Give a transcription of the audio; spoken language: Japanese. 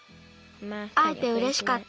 あえてうれしかった。